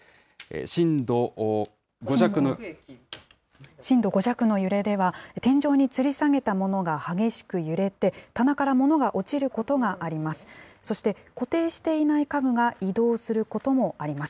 震度５弱の揺れでは、天井につり下げたものが激しく揺れて、棚からものが落ちることがあります。